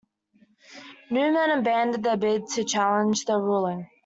Newman abandoned a bid to challenge the ruling.